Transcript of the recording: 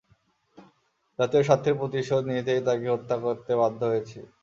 জাতীয় স্বার্থের প্রতিশোধ নিতেই তাকে হত্যা করতে বাধ্য হয়েছি।